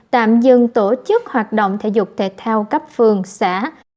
tạm dừng tổ chức hoạt động thể dục thể thao cấp phường xã